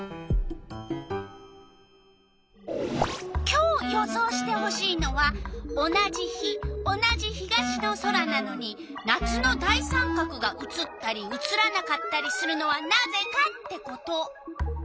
今日予想してほしいのは「同じ日同じ東の空なのに夏の大三角が写ったり写らなかったりするのはなぜか」ってこと。